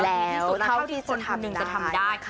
แล้วเขาที่สุดคนหนึ่งจะทำได้